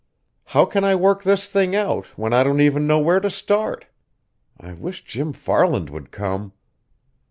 How can I work this thing out when I don't even know where to start? I wish Jim Farland would come."